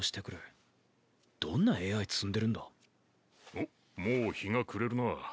おっもう日が暮れるな。